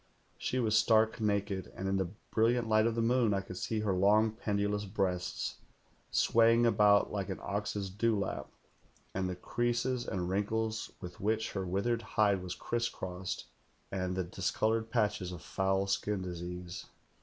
Slie was stark naked, and in the brilliant light of the moon I could see her long, pendulous breasts swaying about like an ox's dew lap, and the creases and wrinkles with which her withered hide was criss crossed, and the discoloured patches of foul skin disease.